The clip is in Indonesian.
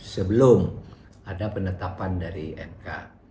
sebelum ada penetapan dari mk